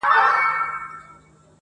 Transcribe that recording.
ما چي پېچومي د پامیر ستایلې،